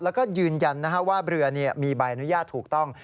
แล้วก็ยืนยันว่าเรือมีใบอนุญาตถูกต้อง